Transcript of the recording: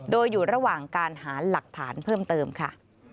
โดยอยู่ระหว่างการหาหลักฐานเพิ่มเติมค่ะ